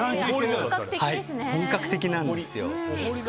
本格的なんですよ。